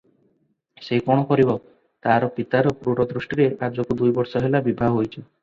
ସେ କଣ କରିବ ତାର ପିତାର କ୍ରୁରଦୃଷ୍ଟିରେ ଆଜକୁ ଦୁଇବର୍ଷ ହେଲା ବିଭା ହୋଇଚି ।